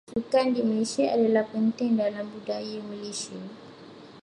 Sukan di Malaysia adalah penting dalam budaya Malaysia.